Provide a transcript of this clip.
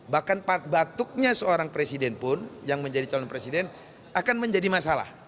bahkan batuknya seorang presiden pun yang menjadi calon presiden akan menjadi masalah